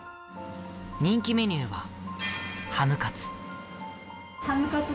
人気メニューはハムカツ。